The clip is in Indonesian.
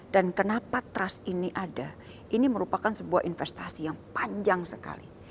dan kenapa trust ini ada ini merupakan sebuah investasi yang panjang sekali